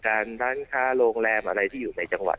ปราศนาสังลงรัมอยู่ในจังหวัด